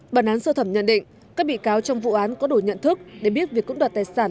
bản án sơ thẩm nhận định các bị cáo trong vụ án có đủ nhận thức để biết việc cưỡng đoạt tài sản